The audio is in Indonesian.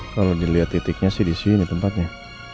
kalau dilihat titiknya sih disini tempatnya